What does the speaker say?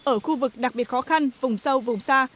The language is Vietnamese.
ở khu vực đặc biệt khó khăn vùng sâu vùng xa